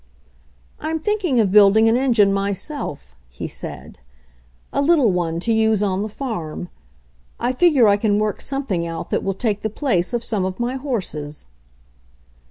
"I'm thinking of building an engine myself," he said. "A little one, to use on the farm. I figure I can work something out that will take the place of some of my horses."